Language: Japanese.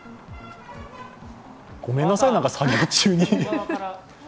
ごめんなさい、作業中に。